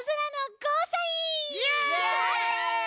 イエイ！